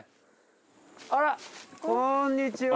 あらこんにちは。